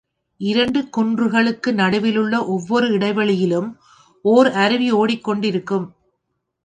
இரண்டு குன்றுகளுக்கு நடுவிலுள்ள ஒவ்வோர் இடை வெளியிலும் ஓர் அருவி ஓடிக்கொண்டிருக்கும்.